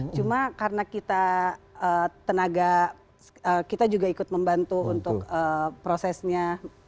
cuma karena kita tenaga kita juga ikut membantu untuk prosesnya